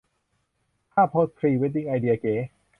ท่าโพสพรีเวดดิ้งไอเดียเก๋